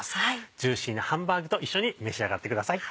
ジューシーなハンバーグと一緒に召し上がってください。